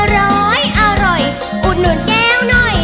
ร้อยอร่อยอุดหนุนแก้วหน่อย